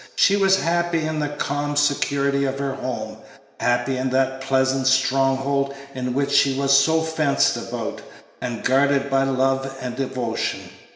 She was happy in the calm security of her home, happy in that pleasant strong hold in which she was so fenced about and guarded by love and devotion.